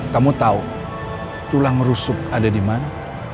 kamu tau tulang rusuk ada dimana